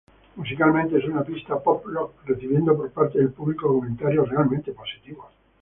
Musicalmente, es una pista "pop rock", recibiendo por parte del público comentarios realmente positivos.